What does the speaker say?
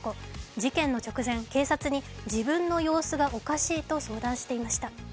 事件の直前警察に自分の様子がおかしいと相談していました。